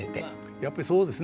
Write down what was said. やっぱりそうですね。